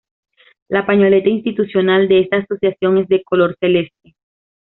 La pañoleta institucional de esta asociación es de color celeste.